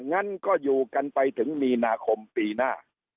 งั้นก็อยู่กันไปถึงมีนาคมปีหน้า